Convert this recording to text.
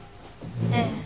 ええ。